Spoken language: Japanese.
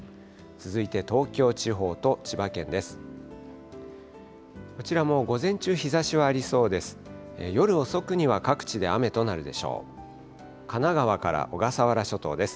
続いて東京地方と千葉県です。